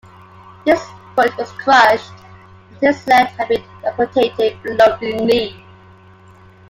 His foot was crushed and his leg had to be amputated below the knee.